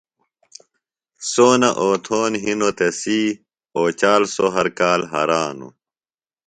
سونہ اوتھون ہنوۡ تسی، اوچال سوۡ ہر کال ہرانوۡ